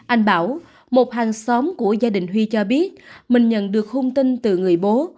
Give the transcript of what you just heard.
anh bảo một hàng xóm của gia đình huy cho biết mình nhận được hung tin từ người bố